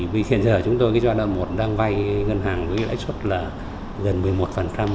vì hiện giờ chúng tôi giai đoạn một đang vai ngân hàng với lãi xuất gần một mươi một một năm